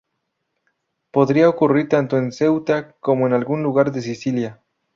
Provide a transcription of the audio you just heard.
Podría ocurrir tanto en Ceuta como en algún lugar de Sicilia.